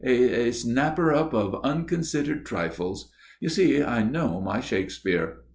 a a 'snapper up of unconsidered trifles.' You see I know my Shakespeare.